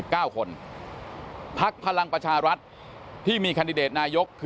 กรกตกลางได้รับรายงานผลนับคะแนนจากทั่วประเทศมาแล้วร้อยละ๔๕๕๔พักการเมืองที่มีแคนดิเดตนายกคนสำคัญ